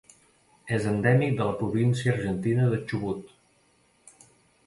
És endèmic de la província argentina de Chubut.